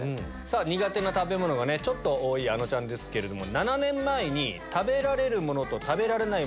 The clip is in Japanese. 苦手な食べ物がちょっと多いあのちゃんですけれども。